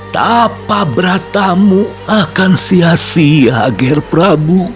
tapa beratamu akan sia sia ger prabu